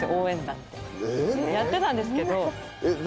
やってたんですけど。